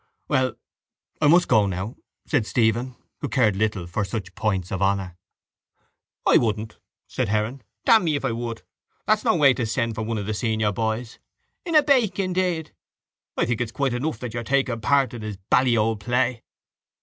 —Well, I must go now, said Stephen, who cared little for such points of honour. —I wouldn't, said Heron, damn me if I would. That's no way to send for one of the senior boys. In a bake, indeed! I think it's quite enough that you're taking a part in his bally old play.